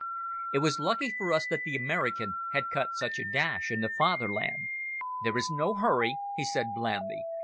It was lucky for us that the American had cut such a dash in the Fatherland. "There is no hurry," he said blandly.